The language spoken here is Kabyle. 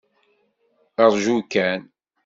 Ṛju kan.